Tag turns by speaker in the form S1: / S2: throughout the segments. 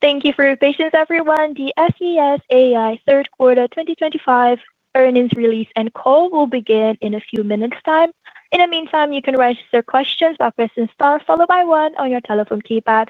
S1: Thank you for your patience, everyone. The SES AI third quarter 2025 earnings release and call will begin in a few minutes' time. In the meantime, you can register questions by pressing star followed by one on your telephone keypad.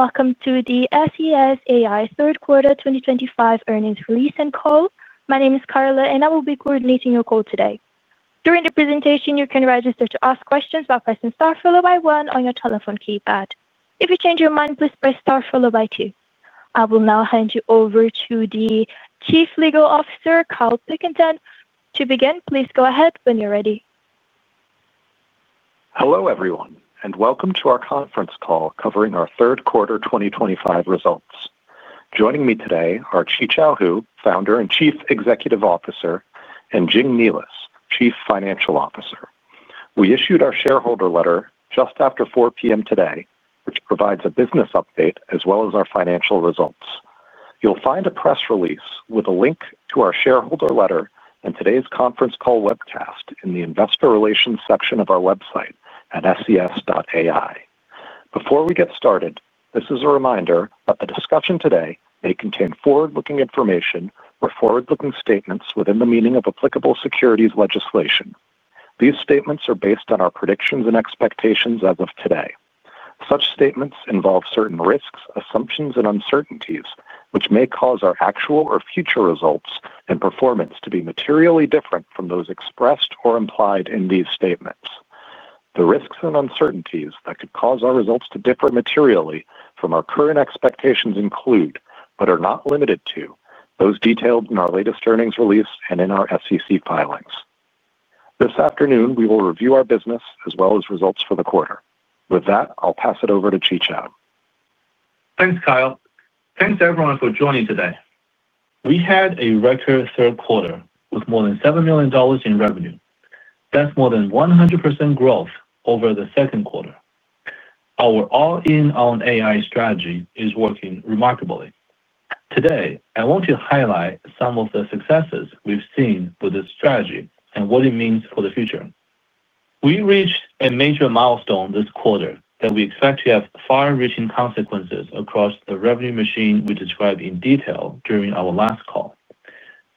S1: Hello and welcome to the SES AI third quarter 2025 earnings release and call. My name is Carla, and I will be coordinating your call today. During the presentation, you can register to ask questions by pressing star followed by one on your telephone keypad. If you change your mind, please press star followed by two. I will now hand you over to the Chief Legal Officer, Kyle Pilkington. To begin, please go ahead when you're ready.
S2: Hello, everyone, and welcome to our conference call covering our third quarter 2025 results. Joining me today are Qichao Hu, Founder and Chief Executive Officer, and Jing Nealis, Chief Financial Officer. We issued our shareholder letter just after 4:00 P.M. today, which provides a business update as well as our financial results. You'll find a press release with a link to our shareholder letter and today's conference call webcast in the Investor Relations section of our website at ses.ai. Before we get started, this is a reminder that the discussion today may contain forward-looking information or forward-looking statements within the meaning of applicable securities legislation. These statements are based on our predictions and expectations as of today. Such statements involve certain risks, assumptions, and uncertainties which may cause our actual or future results and performance to be materially different from those expressed or implied in these statements. The risks and uncertainties that could cause our results to differ materially from our current expectations include, but are not limited to, those detailed in our latest earnings release and in our SEC filings. This afternoon, we will review our business as well as results for the quarter. With that, I'll pass it over to Qichao.
S3: Thanks, Kyle. Thanks, everyone, for joining today. We had a record third quarter with more than $7 million in revenue. That's more than 100% growth over the second quarter. Our all-in-on AI strategy is working remarkably. Today, I want to highlight some of the successes we've seen with this strategy and what it means for the future. We reached a major milestone this quarter that we expect to have far-reaching consequences across the revenue machine we described in detail during our last call.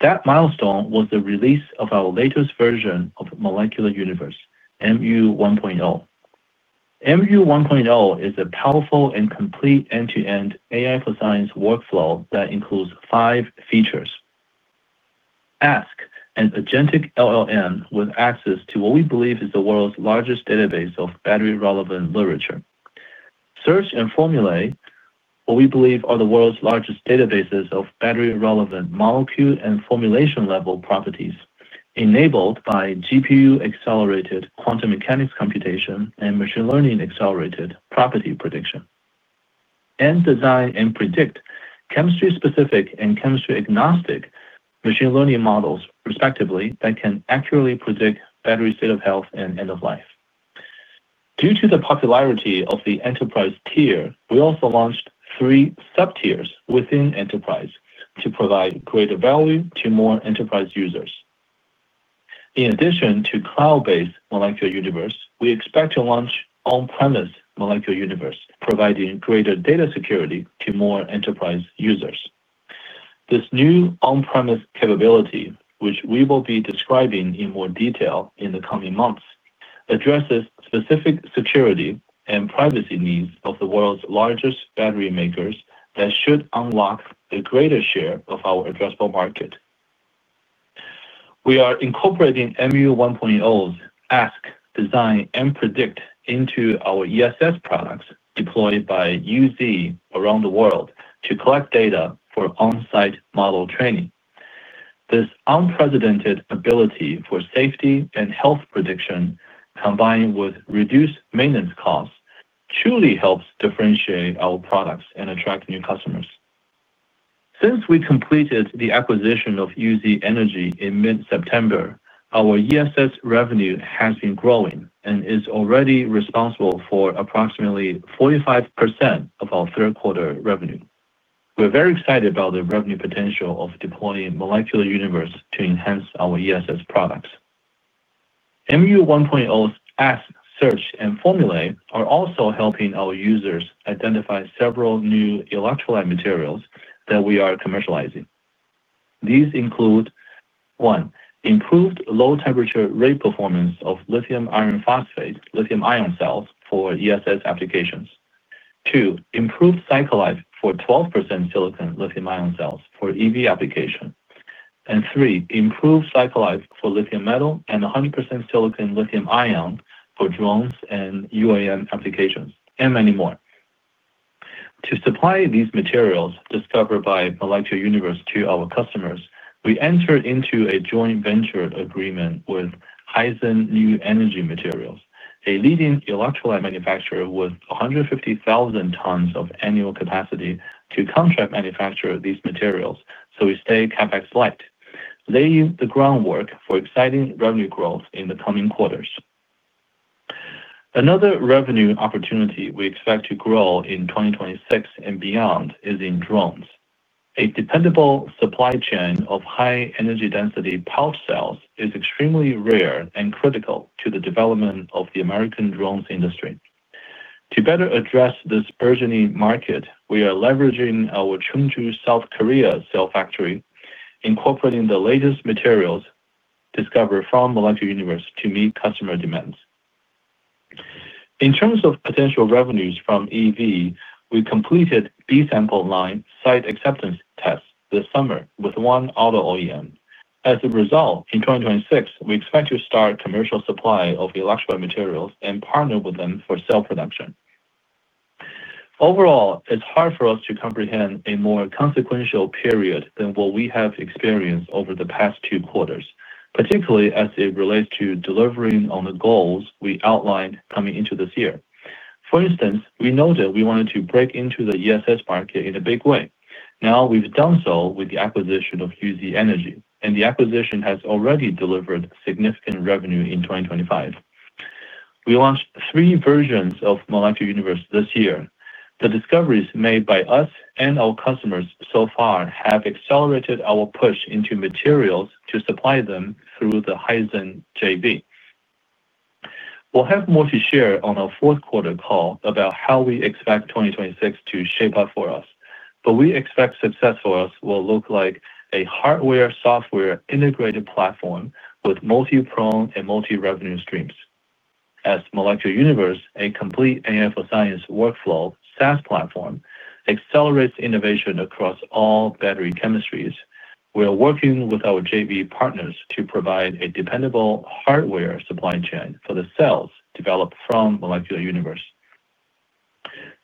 S3: That milestone was the release of our latest version of Molecular Universe, MU 1.0. MU 1.0 is a powerful and complete end-to-end AI for science workflow that includes five features. Ask an agentic LLM with access to what we believe is the world's largest database of battery-relevant literature. Search and formulate what we believe are the world's largest databases of battery-relevant molecule and formulation-level properties enabled by GPU-accelerated quantum mechanics computation and machine learning-accelerated property prediction. Design and predict chemistry-specific and chemistry-agnostic machine learning models, respectively, that can accurately predict battery state of health and end-of-life. Due to the popularity of the enterprise tier, we also launched three sub-tiers within enterprise to provide greater value to more enterprise users. In addition to cloud-based Molecular Universe, we expect to launch on-premise Molecular Universe, providing greater data security to more enterprise users. This new on-premise capability, which we will be describing in more detail in the coming months, addresses specific security and privacy needs of the world's largest battery makers that should unlock a greater share of our addressable market. We are incorporating MU 1.0's ask, design, and predict into our ESS products deployed by UZ around the world to collect data for on-site model training. This unprecedented ability for safety and health prediction, combined with reduced maintenance costs, truly helps differentiate our products and attract new customers. Since we completed the acquisition of UZ Energy in mid-September, our ESS revenue has been growing and is already responsible for approximately 45% of our third quarter revenue. We're very excited about the revenue potential of deploying Molecular Universe to enhance our ESS products. MU 1.0's ask, search, and formulate are also helping our users identify several new electrolyte materials that we are commercializing. These include. One, improved low-temperature rate performance of lithium iron phosphate lithium-ion cells for ESS applications. Two, improved cycle life for 12% silicon lithium-ion cells for EV application. Three, improved cycle life for lithium metal and 100% silicon lithium-ion for drones and UAM applications, and many more. To supply these materials discovered by Molecular Universe to our customers, we entered into a joint venture agreement with Hyzen New Energy Materials, a leading electrolyte manufacturer with 150,000 tons of annual capacity, to contract manufacture these materials. We stay CapEx light, laying the groundwork for exciting revenue growth in the coming quarters. Another revenue opportunity we expect to grow in 2026 and beyond is in drones. A dependable supply chain of high-energy density pouch cells is extremely rare and critical to the development of the American drones industry. To better address this burgeoning market, we are leveraging our Chungju, South Korea, cell factory, incorporating the latest materials discovered from Molecular Universe to meet customer demands. In terms of potential revenues from EV, we completed B-sample line site acceptance tests this summer with one auto OEM. As a result, in 2026, we expect to start commercial supply of electrolyte materials and partner with them for cell production. Overall, it's hard for us to comprehend a more consequential period than what we have experienced over the past two quarters, particularly as it relates to delivering on the goals we outlined coming into this year. For instance, we noted we wanted to break into the ESS market in a big way. Now we've done so with the acquisition of UZ Energy, and the acquisition has already delivered significant revenue in 2025. We launched three versions of Molecular Universe this year. The discoveries made by us and our customers so far have accelerated our push into materials to supply them through the Hyzen JV. We'll have more to share on our fourth quarter call about how we expect 2026 to shape up for us, but we expect success for us will look like a hardware-software integrated platform with multi-prong and multi-revenue streams. As Molecular Universe, a complete AI for science workflow SaaS platform, accelerates innovation across all battery chemistries, we are working with our JV partners to provide a dependable hardware supply chain for the cells developed from Molecular Universe.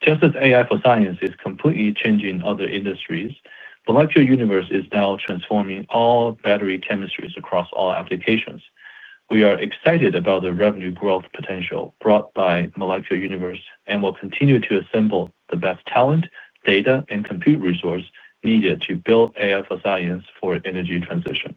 S3: Just as AI for science is completely changing other industries, Molecular Universe is now transforming all battery chemistries across all applications. We are excited about the revenue growth potential brought by Molecular Universe and will continue to assemble the best talent, data, and compute resources needed to build AI for science for energy transition.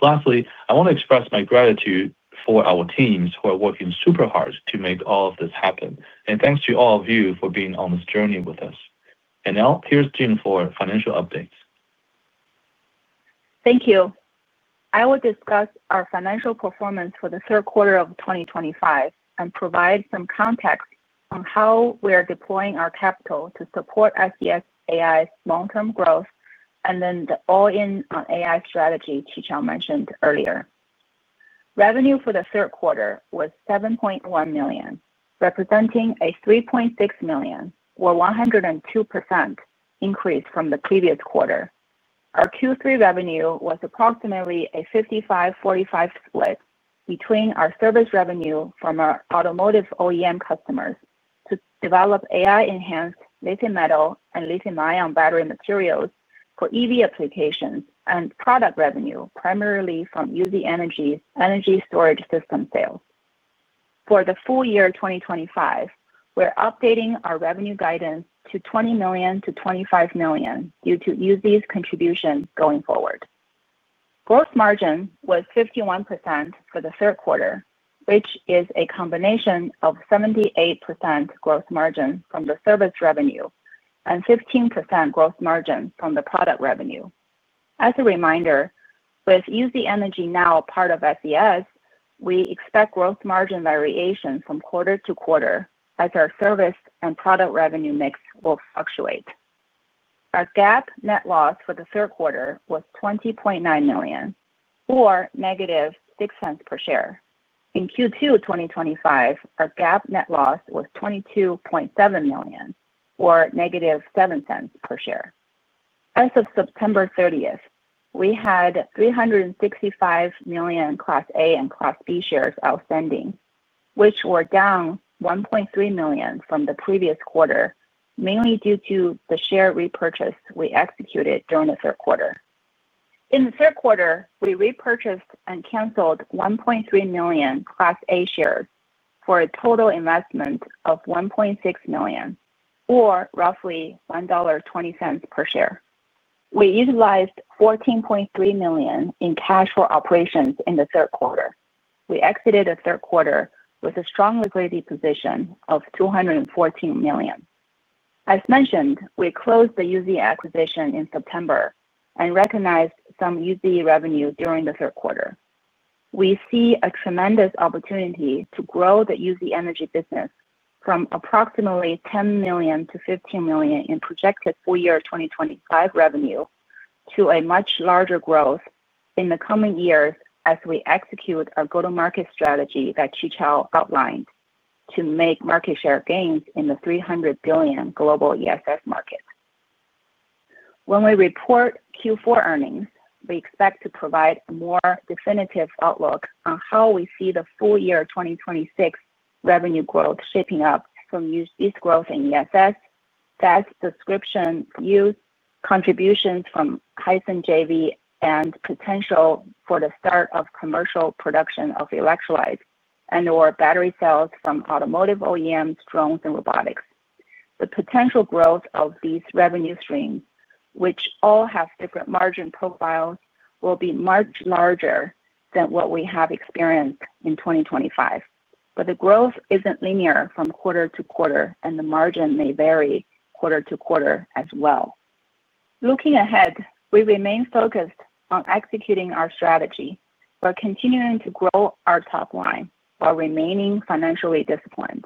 S3: Lastly, I want to express my gratitude for our teams who are working super hard to make all of this happen. Thank you to all of you for being on this journey with us. Now, here's Jing for financial updates.
S4: Thank you. I will discuss our financial performance for the third quarter of 2025 and provide some context on how we are deploying our capital to support SES AI's long-term growth and then the all-in on AI strategy Qichao mentioned earlier. Revenue for the third quarter was $7.1 million, representing a $3.6 million, or 102% increase from the previous quarter. Our Q3 revenue was approximately a 55-45 split between our service revenue from our automotive OEM customers to develop AI-enhanced lithium metal and lithium-ion battery materials for EV applications and product revenue primarily from UZ Energy's energy storage system sales. For the full year 2025, we're updating our revenue guidance to $20 million-$25 million due to UZ's contribution going forward. Gross margin was 51% for the third quarter, which is a combination of 78% gross margin from the service revenue and 15% gross margin from the product revenue. As a reminder, with UZ Energy now part of SES AI, we expect gross margin variation from quarter to quarter as our service and product revenue mix will fluctuate. Our GAAP net loss for the third quarter was $20.9 million, or -$0.06 per share. In Q2 2025, our GAAP net loss was $22.7 million, or -$0.07 per share. As of September 30, we had 365 million Class A and Class B shares outstanding, which were down 1.3 million from the previous quarter, mainly due to the share repurchase we executed during the third quarter. In the third quarter, we repurchased and canceled 1.3 million Class A shares for a total investment of $1.6 million, or roughly $1.20 per share. We utilized $14.3 million in cash for operations in the third quarter. We exited the third quarter with a strong liquidity position of $214 million. As mentioned, we closed the UZ acquisition in September and recognized some UZ revenue during the third quarter. We see a tremendous opportunity to grow the UZ Energy business from approximately $10 million to $15 million in projected full year 2025 revenue to a much larger growth in the coming years as we execute our go-to-market strategy that Qichao outlined to make market share gains in the $300 billion global ESS market. When we report Q4 earnings, we expect to provide a more definitive outlook on how we see the full year 2026 revenue growth shaping up from UZ's growth in ESS, SaaS subscription use, contributions from Hyzen JV, and potential for the start of commercial production of electrolytes and/or battery cells from automotive OEMs, drones, and robotics. The potential growth of these revenue streams, which all have different margin profiles, will be much larger than what we have experienced in 2025. The growth isn't linear from quarter to quarter, and the margin may vary quarter to quarter as well. Looking ahead, we remain focused on executing our strategy, continuing to grow our top line while remaining financially disciplined.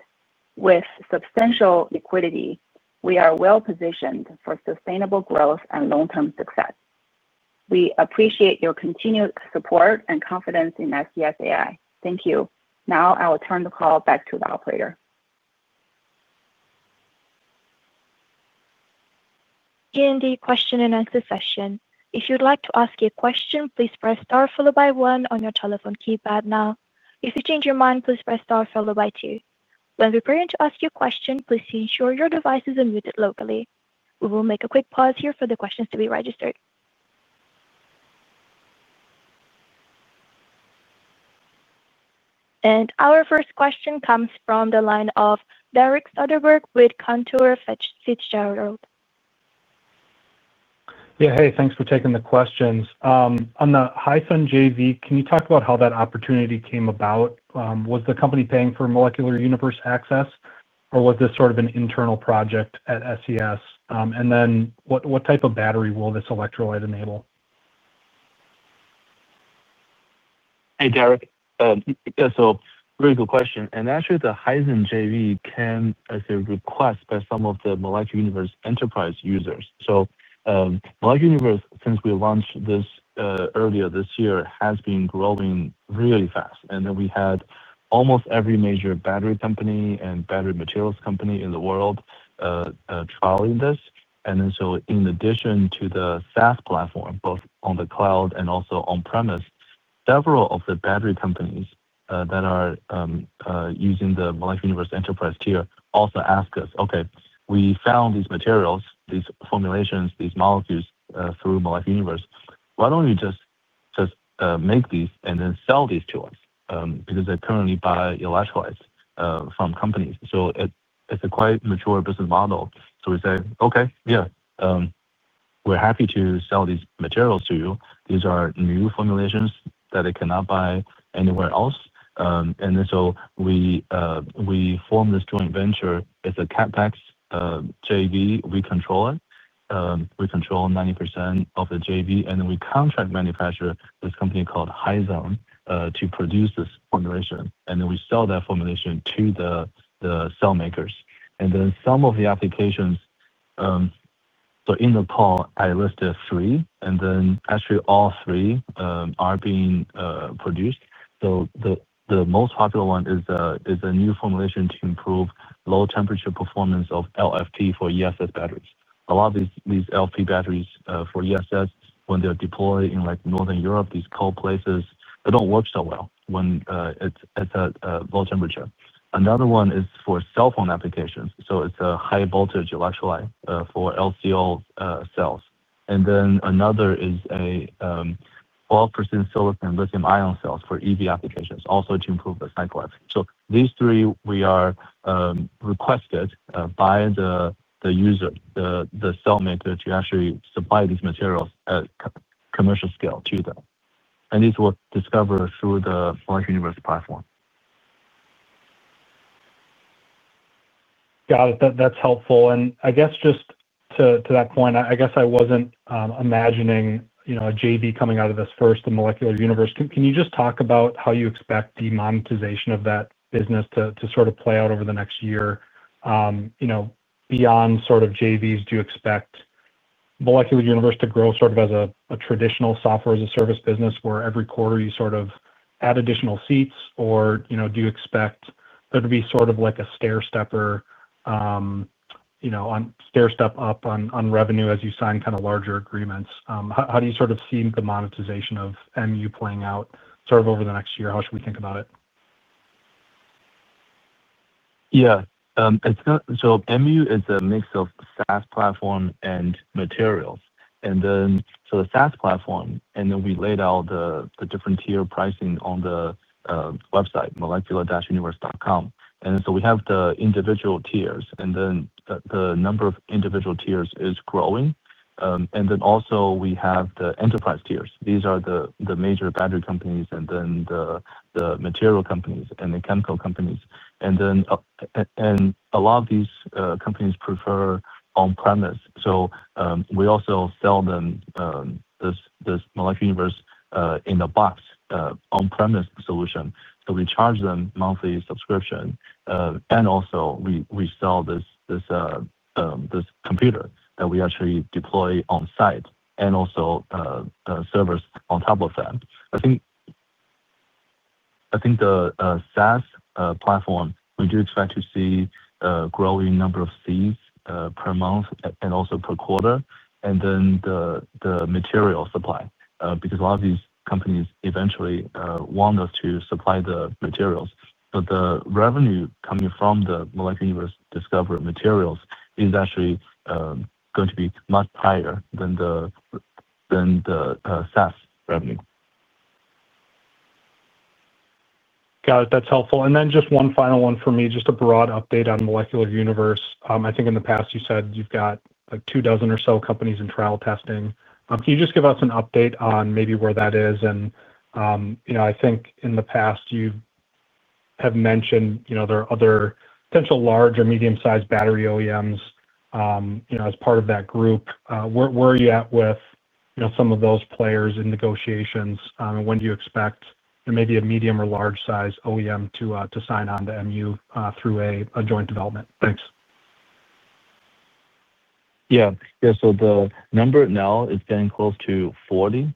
S4: With substantial liquidity, we are well positioned for sustainable growth and long-term success. We appreciate your continued support and confidence in SES AI. Thank you. Now I will turn the call back to the operator.
S1: In the question-and-answer session, if you'd like to ask a question, please press star followed by one on your telephone keypad now. If you change your mind, please press star followed by two. When preparing to ask your question, please ensure your device is unmuted locally. We will make a quick pause here for the questions to be registered. Our first question comes from the line of Derek Soderbergh with Cantor Fitzgerald.
S5: Yeah, hey, thanks for taking the questions. On the Hyzen JV, can you talk about how that opportunity came about? Was the company paying for Molecular Universe access, or was this sort of an internal project at SES? What type of battery will this electrolyte enable?
S3: Hey, Derek. Really good question. Actually, the Hyzen JV came as a request by some of the Molecular Universe enterprise users. Molecular Universe, since we launched this earlier this year, has been growing really fast. We had almost every major battery company and battery materials company in the world trialing this. In addition to the SaaS platform, both on the cloud and also on-premise, several of the battery companies that are using the Molecular Universe enterprise tier also asked us, "Okay, we found these materials, these formulations, these molecules through Molecular Universe. Why do you not just make these and then sell these to us?" Because they currently buy electrolytes from companies. It is a quite mature business model. We said, "Okay, yeah. We are happy to sell these materials to you. These are new formulations that they cannot buy anywhere else. We formed this joint venture. It is a CapEx JV. We control it. We control 90% of the JV. We contract manufacture this company called Hyzen to produce this formulation. We sell that formulation to the cell makers. Some of the applications, in the call, I listed three. Actually, all three are being produced. The most popular one is a new formulation to improve low-temperature performance of LFP for ESS batteries. A lot of these LFP batteries for ESS, when they are deployed in Northern Europe, these cold places, they do not work so well when it is at low temperature. Another one is for cell phone applications. It is a high-voltage electrolyte for LCO cells. Another is a. 12% silicon lithium-ion cells for EV applications, also to improve the cycle life. These three, we are requested by the user, the cell maker, to actually supply these materials at commercial scale to them. These were discovered through the Molecular Universe platform.
S5: Got it. That's helpful. I guess just to that point, I guess I wasn't imagining a JV coming out of this first, the Molecular Universe. Can you just talk about how you expect the monetization of that business to sort of play out over the next year? Beyond sort of JVs, do you expect Molecular Universe to grow sort of as a traditional SaaS business where every quarter you sort of add additional seats, or do you expect there to be sort of like a stair-step up on revenue as you sign kind of larger agreements? How do you sort of see the monetization of MU playing out sort of over the next year? How should we think about it?
S3: Yeah. MU is a mix of SaaS platform and materials. The SaaS platform, we laid out the different tier pricing on the website, molecularuniverse.com. We have the individual tiers, and the number of individual tiers is growing. We also have the enterprise tiers. These are the major battery companies, material companies, and chemical companies. A lot of these companies prefer on-premise. We also sell them this Molecular Universe in a box on-premise solution. We charge them a monthly subscription, and we also sell this computer that we actually deploy on-site and also servers on top of that. I think the SaaS platform, we do expect to see a growing number of seats per month and also per quarter. Material supply, because a lot of these companies eventually want us to supply the materials. The revenue coming from the Molecular Universe discovered materials is actually going to be much higher than the SaaS revenue.
S5: Got it. That's helpful. Just one final one for me, just a broad update on Molecular Universe. I think in the past, you said you've got two dozen or so companies in trial testing. Can you just give us an update on maybe where that is? I think in the past, you have mentioned there are other potential large or medium-sized battery OEMs as part of that group. Where are you at with some of those players in negotiations, and when do you expect maybe a medium or large-sized OEM to sign on to MU through a joint development? Thanks.
S3: Yeah. The number now is getting close to 40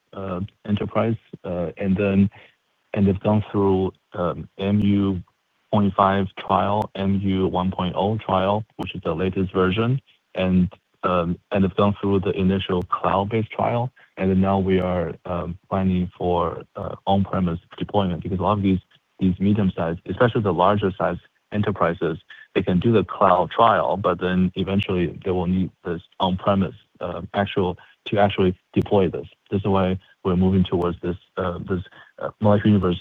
S3: enterprise. They've gone through MU.5 trial, MU 1.0 trial, which is the latest version. They've gone through the initial cloud-based trial. Now we are planning for on-premise deployment because a lot of these medium-sized, especially the larger-sized enterprises, they can do the cloud trial, but then eventually they will need this on-premise actual. To actually deploy this. This is why we're moving towards this Molecular Universe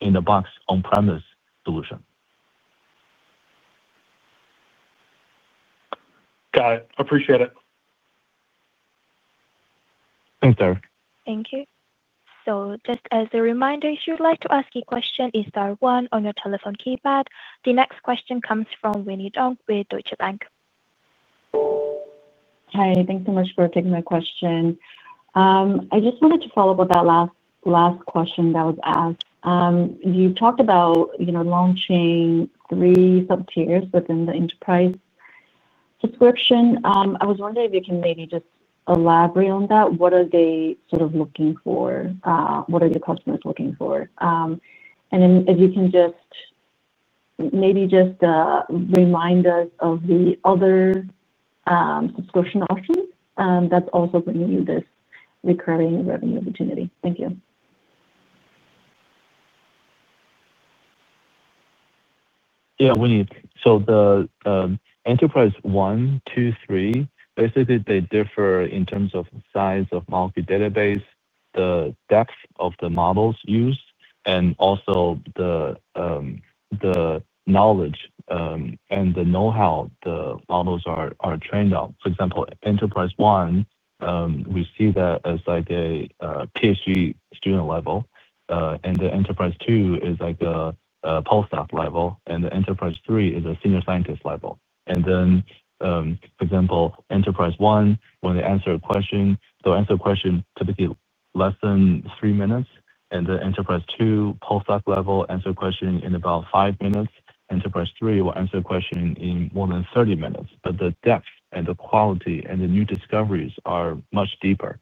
S3: in a box on-premise solution.
S5: Got it. Appreciate it.
S3: Thanks, Derek.
S1: Thank you. Just as a reminder, if you'd like to ask a question, it's star one on your telephone keypad. The next question comes from Winnie Dong with Deutsche Bank.
S6: Hi. Thanks so much for taking my question. I just wanted to follow up on that last question that was asked. You talked about launching three sub-tiers within the enterprise description. I was wondering if you can maybe just elaborate on that. What are they sort of looking for? What are your customers looking for? And then if you can just maybe just remind us of the other subscription options that's also bringing you this recurring revenue opportunity. Thank you.
S3: Yeah, Winnie. The enterprise one, two, three, basically they differ in terms of size of multi-database, the depth of the models used, and also the knowledge and the know-how the models are trained on. For example, enterprise one, we see that as like a PhD student level. The enterprise two is like a postdoc level. The enterprise three is a senior scientist level. For example, enterprise one, when they answer a question, they'll answer a question typically in less than three minutes. The enterprise two postdoc level answers a question in about five minutes. Enterprise three will answer a question in more than 30 minutes. The depth and the quality and the new discoveries are much deeper.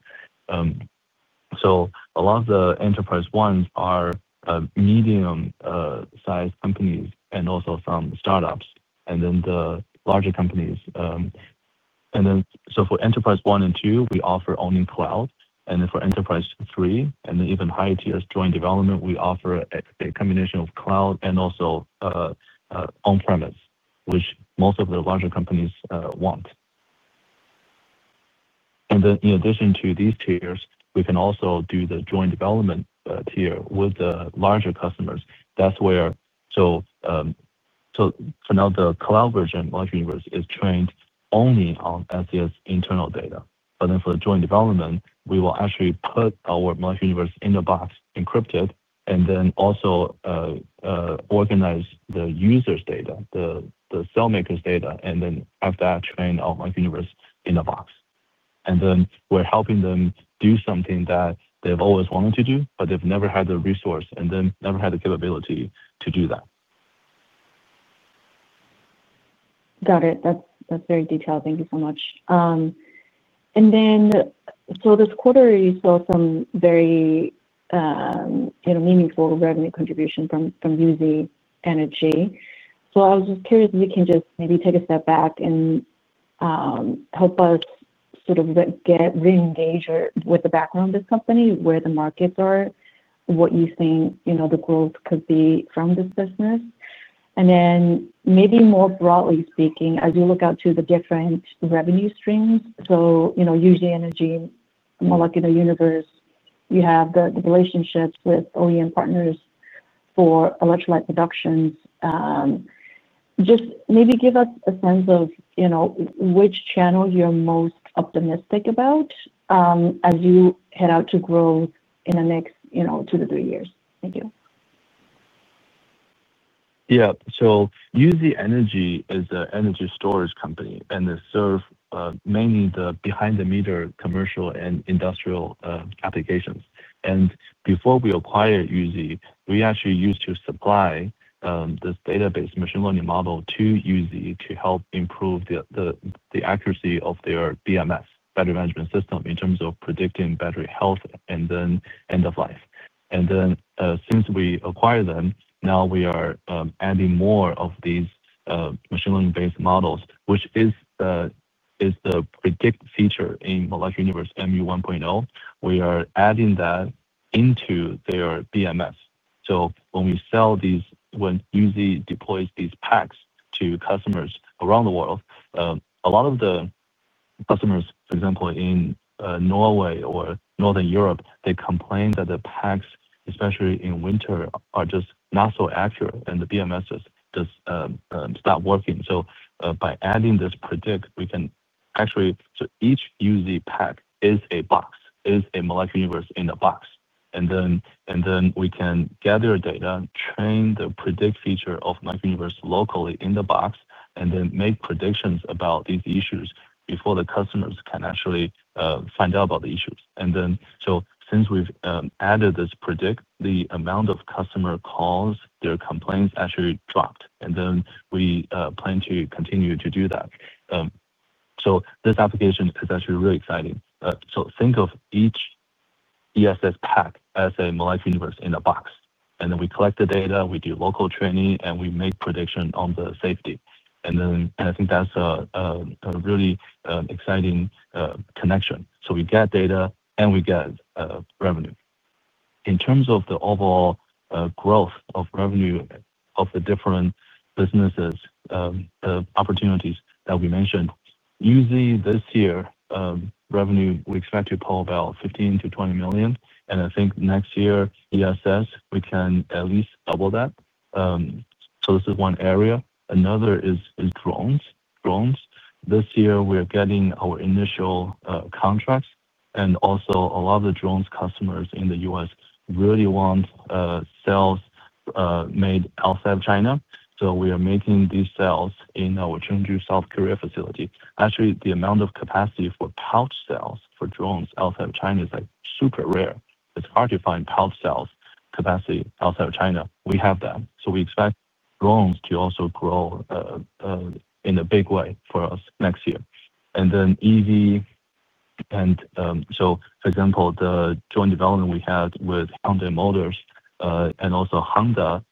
S3: A lot of the enterprise ones are medium-sized companies and also some startups, and then the larger companies. For enterprise one and two, we offer only cloud. For enterprise three and even higher tiers joint development, we offer a combination of cloud and also on-premise, which most of the larger companies want. In addition to these tiers, we can also do the joint development tier with the larger customers. That is where, for now, the cloud version of Molecular Universe is trained only on SES internal data. For the joint development, we will actually put our Molecular Universe in a box encrypted and also organize the users' data, the cell makers' data, and then have that trained on Molecular Universe in a box. We are helping them do something that they have always wanted to do, but they have never had the resource and never had the capability to do that.
S6: Got it. That is very detailed. Thank you so much. This quarter, you saw some very meaningful revenue contribution from UZ Energy. I was just curious if you can maybe take a step back and help us sort of re-engage with the background of this company, where the markets are, what you think the growth could be from this business. Maybe more broadly speaking, as you look out to the different revenue streams, UZ Energy, Molecular Universe, you have the relationships with OEM partners for electrolyte productions. Just maybe give us a sense of which channel you are most optimistic about as you head out to grow in the next two to three years. Thank you.
S3: Yeah. UZ Energy is an energy storage company and they serve mainly the behind-the-meter commercial and industrial applications. Before we acquired UZ, we actually used to supply this database machine learning model to UZ to help improve the accuracy of their BMS, battery management system, in terms of predicting battery health and end of life. Since we acquired them, now we are adding more of these machine learning-based models, which is the predict feature in Molecular Universe MU 1.0. We are adding that into their BMS. When we sell these, when UZ deploys these packs to customers around the world, a lot of the customers, for example, in Norway or Northern Europe, complain that the packs, especially in winter, are just not so accurate and the BMSs just stop working. By adding this predict, we can actually, each UZ pack is a box, is a Molecular Universe in a box. We can gather data, train the predict feature of Molecular Universe locally in the box, and then make predictions about these issues before the customers can actually find out about the issues. Since we've added this predict, the amount of customer calls, their complaints actually dropped. We plan to continue to do that. This application is actually really exciting. Think of each ESS pack as a Molecular Universe in a box. We collect the data, we do local training, and we make predictions on the safety. I think that's a really exciting connection. We get data and we get revenue. In terms of the overall growth of revenue of the different businesses. Opportunities that we mentioned, UZ this year. Revenue, we expect to pull about $15 million-$20 million. I think next year, ESS, we can at least double that. This is one area. Another is drones. This year, we're getting our initial contracts. Also, a lot of the drones customers in the US really want cells made outside of China. We are making these cells in our Chungju, South Korea facility. Actually, the amount of capacity for pouch cells for drones outside of China is super rare. It's hard to find pouch cells capacity outside of China. We have that. We expect drones to also grow in a big way for us next year. Then EV. For example, the joint development we had with Hyundai Motor Company and also Honda.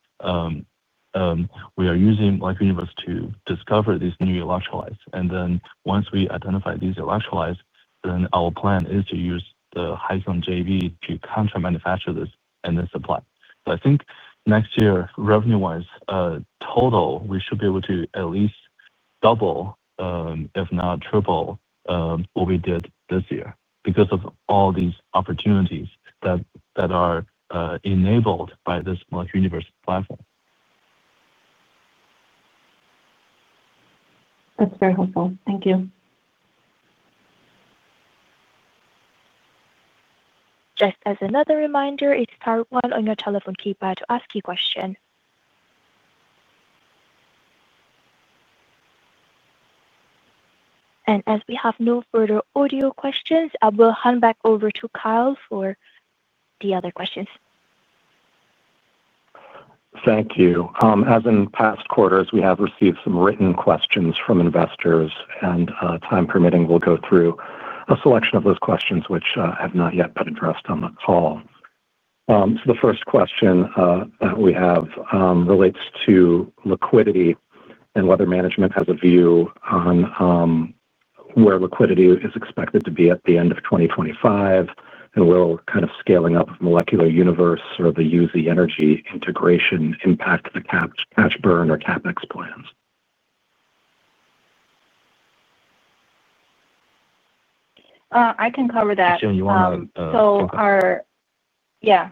S3: We are using Molecular Universe to discover these new electrolytes. Once we identify these electrolytes, our plan is to use the Hyzen JV to contra-manufacture this and then supply. I think next year, revenue-wise, total, we should be able to at least double, if not triple, what we did this year because of all these opportunities that are enabled by this Molecular Universe platform.
S6: That's very helpful. Thank you.
S1: Just as another reminder, it's star one on your telephone keypad to ask your question. As we have no further audio questions, I will hand back over to Kyle for the other questions.
S2: Thank you. As in past quarters, we have received some written questions from investors. Time permitting, we'll go through a selection of those questions which have not yet been addressed on the call. The first question that we have relates to liquidity and whether management has a view on where liquidity is expected to be at the end of 2025 and will kind of scaling up Molecular Universe or the UZ Energy integration impact the cash burn or CapEx plans.
S4: I can cover that.
S3: Jing, you want to?
S4: Yeah.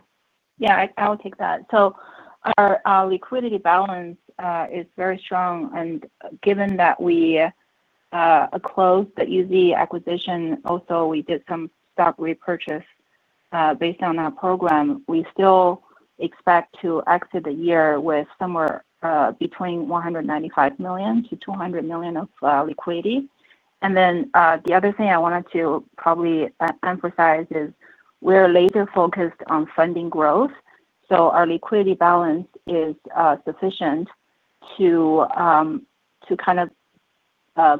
S4: Yeah, I'll take that. Our liquidity balance is very strong. Given that we closed the UZ acquisition, also we did some stock repurchase based on our program, we still expect to exit the year with somewhere between $195 million-$200 million of liquidity. The other thing I wanted to probably emphasize is we're laser-focused on funding growth. Our liquidity balance is sufficient to kind of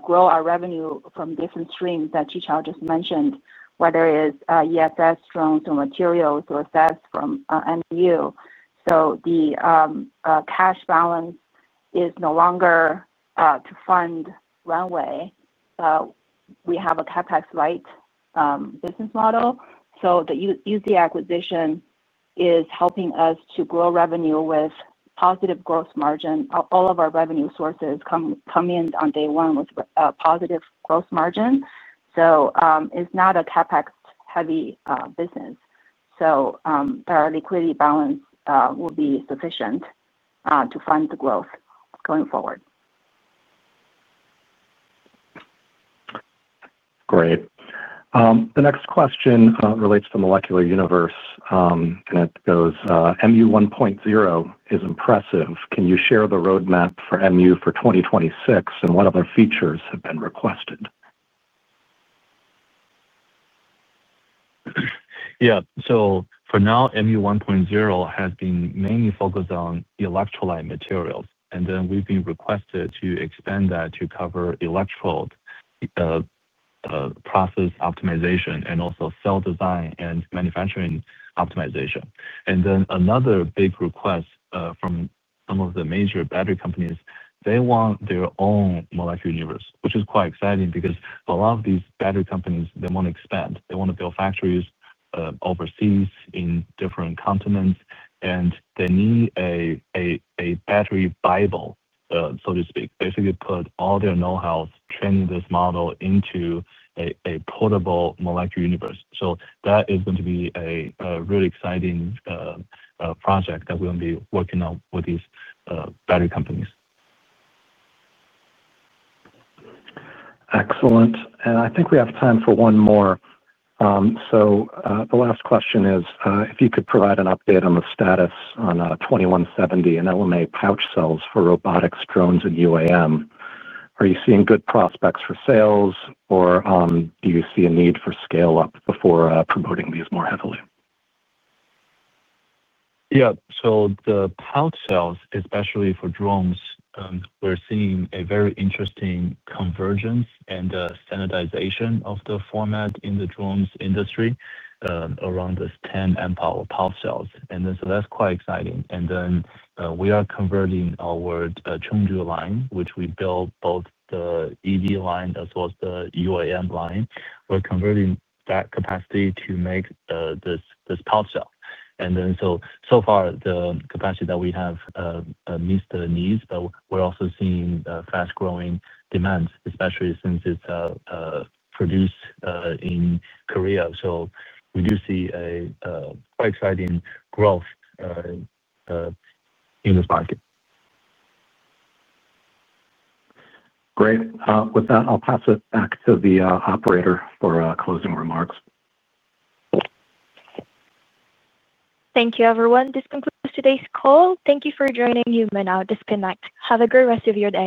S4: grow our revenue from different streams that Qichao just mentioned, whether it's ESS, drones, or materials, or SaaS from MU. The cash balance is no longer to fund runway. We have a CapEx-light business model. The UZ acquisition is helping us to grow revenue with positive gross margin. All of our revenue sources come in on day one with a positive gross margin. It's not a CapEx-heavy business. Our liquidity balance will be sufficient to fund the growth going forward.
S2: Great. The next question relates to Molecular Universe. And it goes, "MU 1.0 is impressive. Can you share the roadmap for MU for 2026 and what other features have been requested?
S3: Yeah. For now, MU 1.0 has been mainly focused on electrolyte materials. We have been requested to expand that to cover electrode, process optimization, and also cell design and manufacturing optimization. Another big request from some of the major battery companies is that they want their own Molecular Universe, which is quite exciting because a lot of these battery companies want to expand. They want to build factories overseas in different continents, and they need a battery bible, so to speak, basically put all their know-hows, training this model into a portable Molecular Universe. That is going to be a really exciting project that we are going to be working on with these battery companies.
S2: Excellent. I think we have time for one more. The last question is, if you could provide an update on the status on 2170 and LMA pouch cells for robotics, drones, and UAM, are you seeing good prospects for sales, or do you see a need for scale-up before promoting these more heavily?
S3: Yeah. The pouch cells, especially for drones, we're seeing a very interesting convergence and standardization of the format in the drones industry around this 10 amp-hour pouch cells. That is quite exciting. We are converting our Chungju line, which we built both the EV line as well as the UAM line. We're converting that capacity to make this pouch cell. So far, the capacity that we have meets the needs, but we're also seeing fast-growing demand, especially since it's produced in Korea. We do see a quite exciting growth in this market.
S2: Great. With that, I'll pass it back to the operator for closing remarks.
S1: Thank you, everyone. This concludes today's call. Thank you for joining. You may now disconnect. Have a great rest of your day.